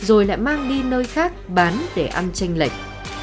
rồi lại mang đi nơi khác bán để ăn chân nhạch